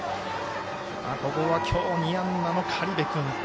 ここは今日、２安打の苅部君。